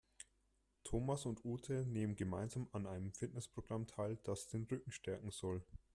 Thomas und Ute nehmen gemeinsam an einem Fitnessprogramm teil, das den Rücken stärken soll.